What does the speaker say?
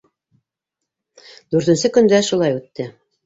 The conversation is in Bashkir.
Дүртенсе көн дә шулай үтте.